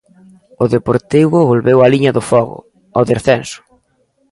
O Deportivo volveu á liña do fogo, ao descenso.